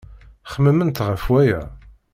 Xemmement ɣef waya.